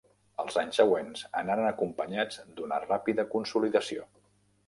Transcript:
Els anys següents anaren acompanyats d'una ràpida consolidació.